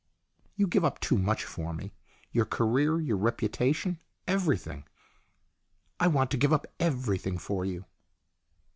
" You give up too much for me. Your career, your reputation, everything." " I want to give up everything for you."